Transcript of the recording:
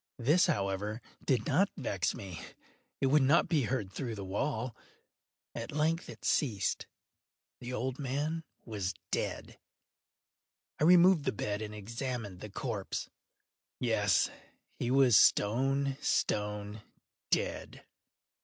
This, however, did not vex me; it would not be heard through the wall. At length it ceased. The old man was dead. I removed the bed and examined the corpse. Yes, he was stone, stone dead.